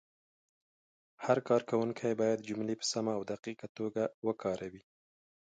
هر کارونکی باید جملې په سمه او دقیقه توګه ولیکي.